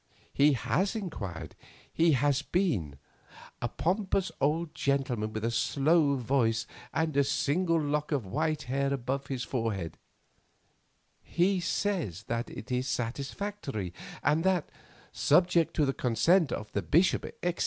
He has inquired, he has been, a pompous old gentleman with a slow voice and a single lock of white hair above his forehead; he says that it is satisfactory, and that, subject to the consent of the bishop, etc.